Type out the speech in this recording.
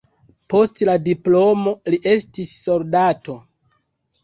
Post la diplomo li estis soldato.